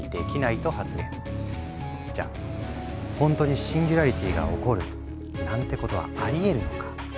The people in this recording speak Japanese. じゃあほんとにシンギュラリティが起こるなんてことはありえるのか？